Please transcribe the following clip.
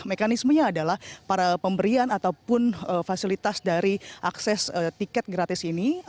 mekanismenya adalah para pemberian ataupun fasilitas dari akses tiket gratis ini